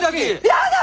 やだ！